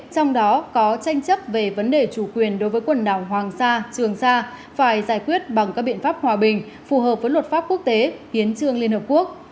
trong đó có tranh chấp về vấn đề chủ quyền đối với quần đảo hoàng sa trường sa phải giải quyết bằng các biện pháp hòa bình phù hợp với luật pháp quốc tế hiến trương liên hợp quốc